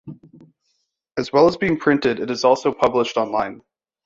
As well as being printed it is also published online.